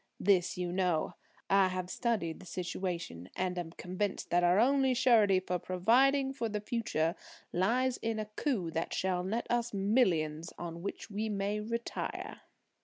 This you know. I have studied the situation and am convinced that our only surety for providing for the future lies in a coup that shall net us millions, on which we may retire."